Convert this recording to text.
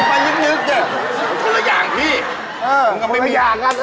คนละครึ่งเลย